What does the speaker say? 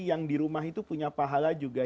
yang di rumah itu punya pahala juga